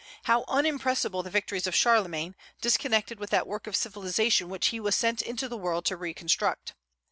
How unimpressible the victories of Charlemagne, disconnected with that work of civilization which he was sent into the world to reconstruct!